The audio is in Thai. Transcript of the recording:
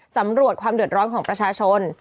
สำรวจความเดือดร้อนของประชาชน